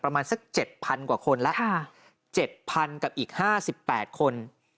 ประมาณสัก๗๐๐กว่าคนแล้ว๗๐๐กับอีก๕๘คน